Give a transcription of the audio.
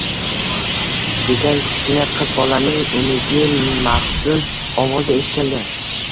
degan kichkina qizbolaning umidli, maxzun ovozi eshitildi